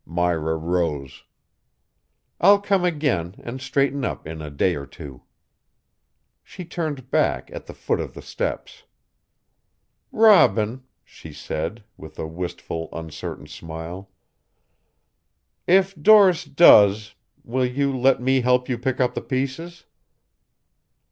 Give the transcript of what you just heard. Myra rose. "I'll come again and straighten up in a day or two." She turned back at the foot of the steps. "Robin," she said, with a wistful, uncertain smile, "if Doris does will you let me help you pick up the pieces?"